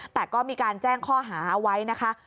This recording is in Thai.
แต่ก็มีการแจ้งข้อหาเอาไว้นะคะ